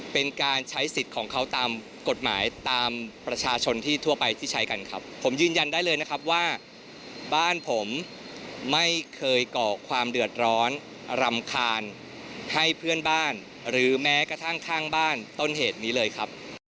เป็นการใช้สิทธิ์ของเขาตามกฎหมายตามประชาชนที่ทั่วไปที่ใช้กันครับผมยืนยันได้เลยนะครับว่าบ้านผมไม่เคยก่อความเดือดร้อนรำคาญให้เพื่อนบ้านหรือแม้กระทั่งข้างบ้านต้นเหตุนี้เลยครับ